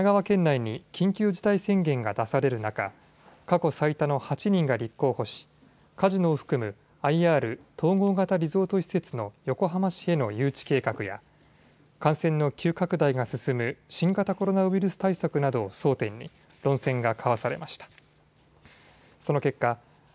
選挙戦では神奈川県内に緊急事態宣言が出される中過去最多の８人が立候補しカジノを含むＩＲ＝統合型リゾート施設の横浜市への誘致計画や感染の急拡大が進む新型コロナウイルス対策などを争点に論戦が交わされました。